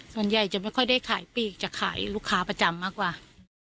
ส่วนใหญ่จะไม่ค่อยได้ขายปีกจะขายลูกค้าประจำมากกว่า